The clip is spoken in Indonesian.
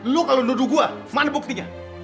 lu kalau nuduh gue mana buktinya